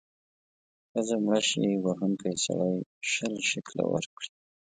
که ښځه مړه شي، وهونکی سړی شل شِکِله ورکړي.